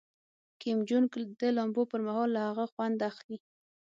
کیم جونګ د لامبو پر مهال له هغه خوند اخلي.